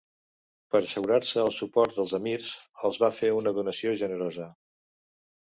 Per assegurar-se el suport dels emirs els va fer una donació generosa.